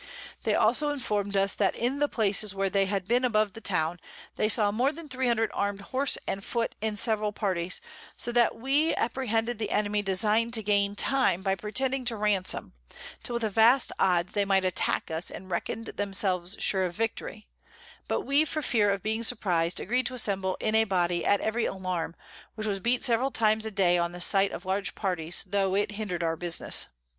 They also inform'd us, that in the Places where they had been above the Town, they saw more than 300 arm'd Horse and Foot in several Parties; so that we apprehended the Enemy design'd to gain Time by pretending to ransom, till with a vast Odds they might attack us, and reckon'd themselves sure of Victory; but we for fear of being surprized, agreed to assemble in a Body at every Alarm, which was beat several times a day on the sight of large Parties, tho' it hinder'd our Business.